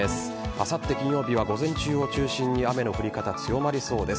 あさって金曜日は午前中を中心に雨の降り方が強まりそうです。